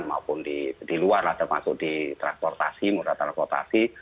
maupun di luar ada masuk di transportasi mudah transportasi